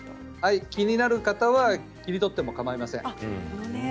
気になる方は切り取ってもかまいません。